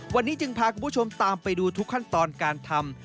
วันนี้จึงพาคุณผู้ชมตามไปดูทุกขั้นตอนการทำ